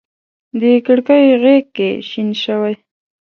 د کړکۍ غیږ کي شین شوی